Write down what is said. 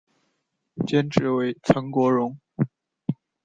监制为岑国荣。